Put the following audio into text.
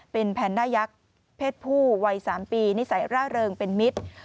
เป็นแพนด้ายักษ์เพศผู้วัย๓ปีนิสัยร่าเริงเป็นมิตร